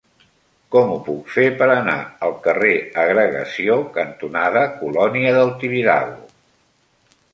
Com ho puc fer per anar al carrer Agregació cantonada Colònia del Tibidabo?